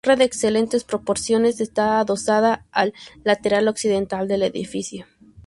La torre, de excelentes proporciones, está adosada al lateral occidental del edificio.